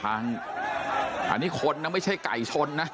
อันนี้คนนะไม่ใช่ไก่ชนนะ